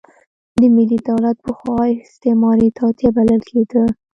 ملي دولت پخوا استعماري توطیه بلل کېده.